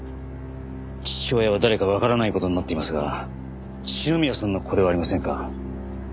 父親は誰かわからない事になっていますが篠宮さんの子ではありませんか？